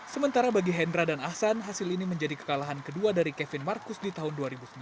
sementara bagi hendra dan ahsan hasil ini menjadi kekalahan kedua dari kevin marcus di tahun dua ribu sembilan